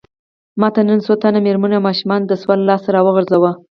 ماته نن څو تنو مېرمنو او ماشومانو د سوال لاس راوغځاوه.